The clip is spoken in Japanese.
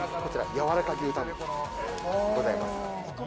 やわらか牛たんでございます。